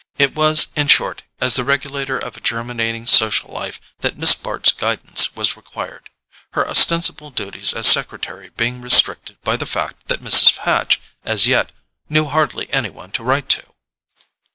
It was, in short, as the regulator of a germinating social life that Miss Bart's guidance was required; her ostensible duties as secretary being restricted by the fact that Mrs. Hatch, as yet, knew hardly any one to write to.